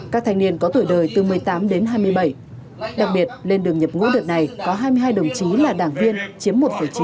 các thanh niên có tuổi đời từ một mươi tám đến hai mươi bảy đặc biệt lên đường nhập ngũ đợt này có hai mươi hai đồng chí là đảng viên chiếm một chín